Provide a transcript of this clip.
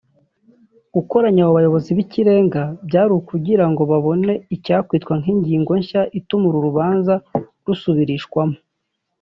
Gukoranya abo bayobozi b’ ikirenga byari ukugira ngo babone icyakwitwa nk’ ingingo nshya ituma urubanza rusubirishwamo